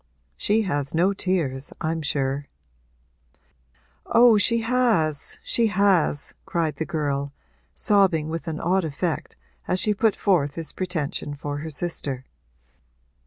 She has no tears, I'm sure.' 'Oh, she has, she has!' cried the girl, sobbing with an odd effect as she put forth this pretension for her sister.